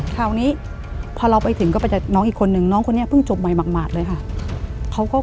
คราวนี้พอเราไปถึงก็ไปเจอน้องอีกคนนึงน้องคนนี้เพิ่งจบใหม่หมากเลยค่ะ